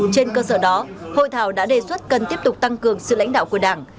trên cơ sở đó hội thảo đã đề xuất cần tiếp tục tăng cường sự lãnh đạo của đảng